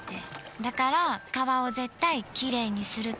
だから川を絶対きれいにするって。